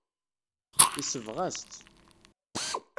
Yesbeɣ-as-tt.